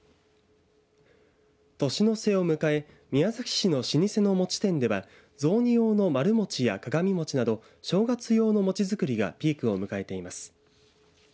年の瀬を迎え宮崎市の老舗の餅店では雑煮用の丸餅や鏡餅など正月用の餅作りがピークを迎えています。